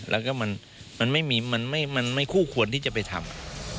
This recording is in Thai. แล้วก็มันไม่คู่ควรที่จะไปทำ